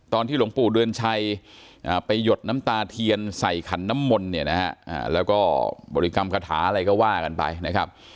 ตอนที่หลวงปู่เดือนชัยไปหยดน้ำตาเทียนใส่ขันน้ำมนแล้วก็บริกรรมกระถาอะไรก็ว่ากันไปนะครับ